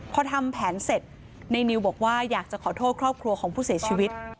พอทำแผนเสร็จในนิวบอกว่าอยากจะขอโทษครอบครัวของผู้เสียชีวิต